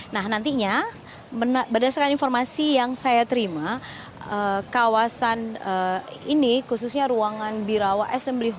nah nantinya berdasarkan informasi yang saya terima kawasan ini khususnya ruangan birawa smb